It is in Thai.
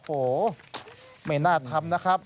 โอ้โหไม่น่าทำนะครับ